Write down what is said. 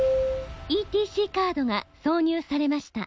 「ＥＴＣカードが挿入されました」